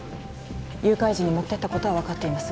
誘拐時に持ってったことは分かっています